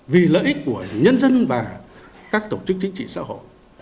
vì lợi ích của nhân dân và các tổ chức chính trị xã hội